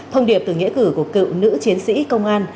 thông điệp từ nghĩa cử của cựu nữ chiến sĩ công an